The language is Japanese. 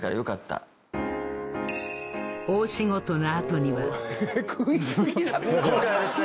大仕事の後には今回はですね